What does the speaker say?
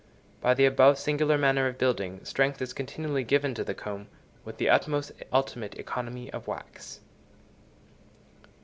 By the above singular manner of building, strength is continually given to the comb, with the utmost ultimate economy of wax.